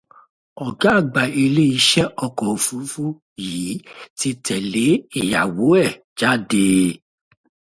Ọ̀gá àgbà ilé iṣẹ́ ọkọ̀ òfurufú yìí ti tẹ̀lé ìyàwó ẹ̀ jáde